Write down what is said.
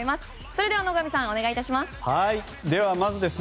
それでは野上さんお願いします。